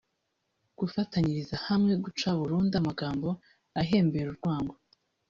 gufatanyirizahamwe guca burundu amagambo ahembera urwango